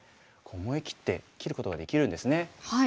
思い切って切ることができるんですね。